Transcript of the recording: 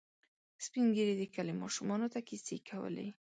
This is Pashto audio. سپين ږیري د کلي ماشومانو ته کیسې کولې.